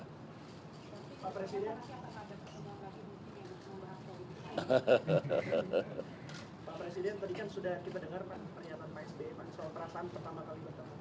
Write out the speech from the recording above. pak presiden tadi kan sudah kita dengar pak pernyataan pak sby pak soal perasaan pertama kali bertemu